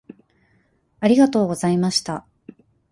ありがとうございました。